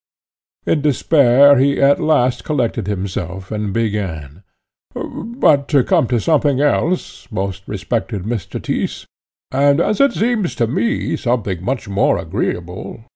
In despair he at last collected himself, and began, "But to come to something else, most respected Mr. Tyss, and, as it seems to me, something much more agreeable."